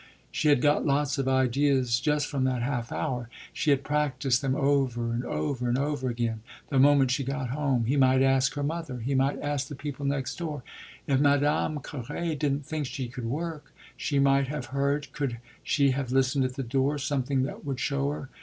She had got lots of ideas just from that half hour; she had practised them over, over, and over again, the moment she got home. He might ask her mother he might ask the people next door. If Madame Carré didn't think she could work, she might have heard, could she have listened at the door, something that would show her.